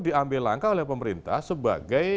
diambil langkah oleh pemerintah sebagai